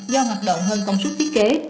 do hoạt động hơn công suất thiết kế